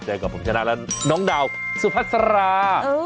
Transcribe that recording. กับผมชนะและน้องดาวสุพัสรา